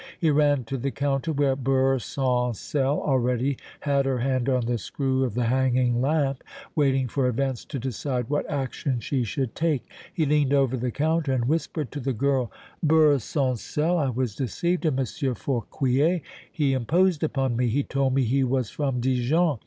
He ran to the counter, where Beurre Sans Sel already had her hand on the screw of the hanging lamp, waiting for events to decide what action she should take. He leaned over the counter and whispered to the girl: "Beurre Sans Sel, I was deceived in Monsieur Fouquier. He imposed upon me. He told me he was from Dijon.